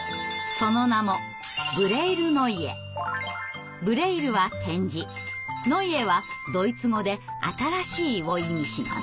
その名もブレイルは点字ノイエはドイツ語で新しいを意味します。